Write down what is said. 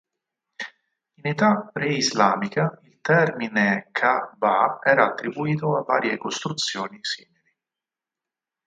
In età preislamica, il termine "kaʿba" era attribuito a varie costruzioni simili.